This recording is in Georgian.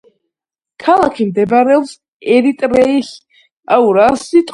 ქალაქი მდებარეობს ერიტრეის სემიენავი-კეი-ბაჰრის პროვინციაში და მისი ადმინისტრაციული ცენტრია.